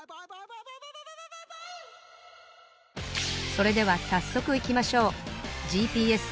それでは早速いきましょうＧＰＳ